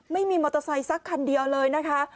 ไม่มีมอเตอร์ไซค์สักคันเดียวเลยนะคะ